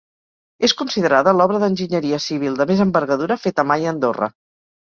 És considerada l'obra d'enginyeria civil de més envergadura feta mai a Andorra.